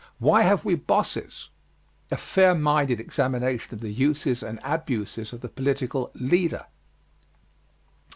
WHY HAVE WE BOSSES? A fair minded examination of the uses and abuses of the political "leader."